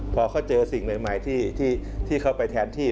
พอเขาเจอสิ่งใหม่ที่เข้าไปแทนที่